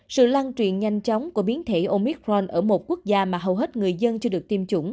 sự lan truyền nhanh chóng của biến thể omicron ở một quốc gia mà hầu hết người dân chưa được tiêm chủng